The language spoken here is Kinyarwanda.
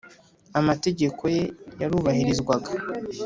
amategeko ye yarubahirizwaga